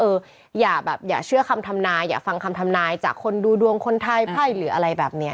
อย่าแบบอย่าเชื่อคำทำนายอย่าฟังคำทำนายจากคนดูดวงคนไทยไพ่หรืออะไรแบบนี้